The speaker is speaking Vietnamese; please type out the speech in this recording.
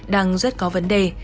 đang rất có vấn đề